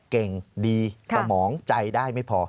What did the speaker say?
เก่งดีสมองใจได้ไม่พอ